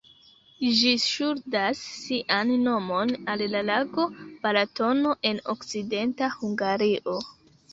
Ĝi ŝuldas sian nomon al la lago Balatono, en okcidenta Hungario.